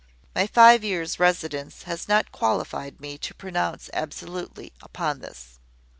My five years' residence has not qualified me to pronounce absolutely upon this.